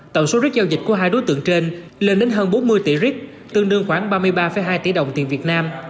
tổng số rớt giao dịch của hai đối tượng trên lên đến hơn bốn mươi tỷ rit tương đương khoảng ba mươi ba hai tỷ đồng tiền việt nam